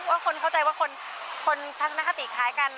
คนเข้าใจว่าคนทัศนคติคล้ายกัน